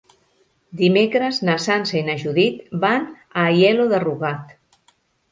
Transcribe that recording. Dimecres na Sança i na Judit van a Aielo de Rugat.